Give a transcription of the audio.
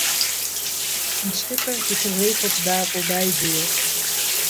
Een schipper die geregeld daar voorbij voer